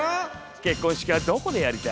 結婚式はどこでやりたい？